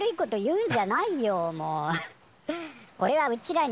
うん。